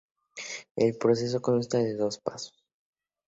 El proceso consta de dos pasos.